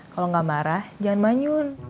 kalau nggak marah jangan manyun